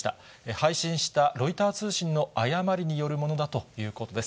配信したロイター通信の誤りによるものだということです。